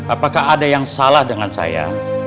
apakah ada yang salah dengan saya